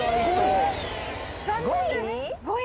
残念です。